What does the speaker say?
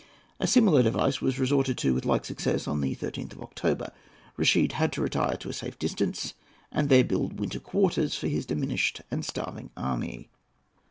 A similar device was resorted to, with like success, on the 13th of October. Reshid had to retire to a safe distance and there build winter quarters for his diminished and starving army.